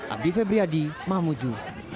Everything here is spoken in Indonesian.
abdi febriadi mamuju